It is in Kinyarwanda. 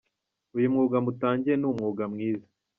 Uyu mwuga mutangiye ni umwuga mwiza.